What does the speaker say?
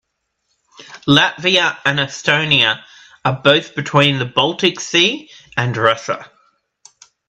Latvia and Estonia are both between the Baltic Sea and Russia.